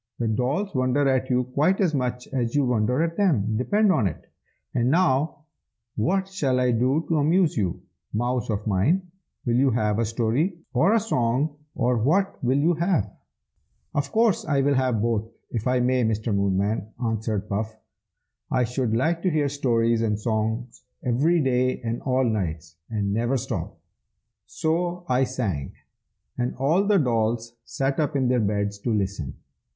"The dolls wonder at you quite as much as you wonder at them, depend upon it! And now, what shall I do to amuse you, mouse of mine? will you have a story, or a song, or what will you have?" "Of course I will have both, if I may, Mr. Moonman!" answered Puff. "I should like to hear stories and songs every days and all nights, and never stop!" So I sang, and all the dolls sat up in their beds to listen.